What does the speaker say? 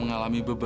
nggak ada dewi